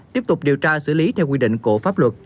tiếp tục điều tra xử lý theo quy định của pháp luật